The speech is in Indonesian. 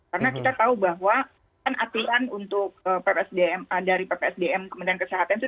karena kita tahu bahwa kan aturan untuk ppsdm dari ppsdm kementerian kesehatan